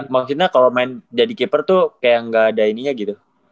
maksudnya kalau main jadi keeper tuh kayak gak ada ininya gitu